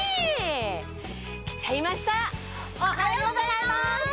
おはようございます。